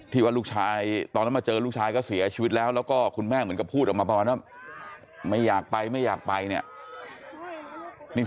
ว่าลูกชายตอนนั้นมาเจอลูกชายก็เสียชีวิตแล้วแล้วก็คุณแม่เหมือนกับพูดออกมาประมาณว่าไม่อยากไปไม่อยากไปเนี่ย